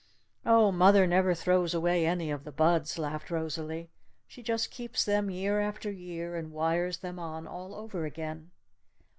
"Oh, mother never throws away any of the buds," laughed Rosalee. "She just keeps them year after year and wires them on all over again."